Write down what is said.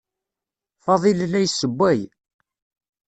Fadil la yessewway.